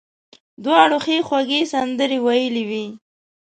دواړو ښې خوږې سندرې ویلې وې.